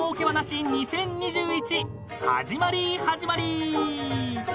［始まり始まり］